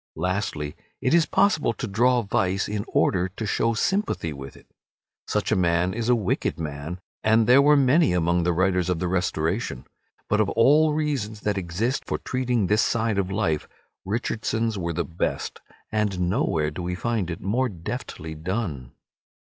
Lastly, it is possible to draw vice in order to show sympathy with it. Such a man is a wicked man, and there were many among the writers of the Restoration. But of all reasons that exist for treating this side of life, Richardson's were the best, and nowhere do we find it more deftly done.